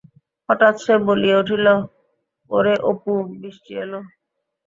হঠাৎ সে বলিয়া উঠিল-ওরে অপু-বিষ্টি এল!